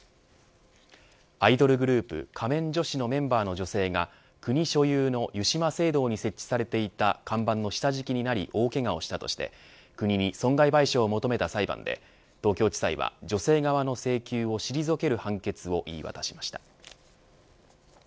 アイドルグループ仮面女子のメンバーの女性が国所有の湯島聖堂に設置されていた看板の下敷きになりけがをしたとして国に損害賠償を求めた裁判で東京地裁は女性側の請求を退ける判決を言い渡しました。